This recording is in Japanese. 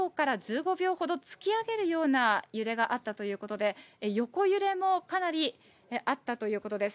珠洲では１０秒から１５秒ほど突き上げるような揺れがあったということで、横揺れもかなりあったということです。